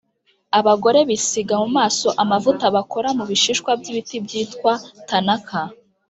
Abagore bisiga mu maso amavuta bakora mu bishishwa by ibiti byitwa thanaka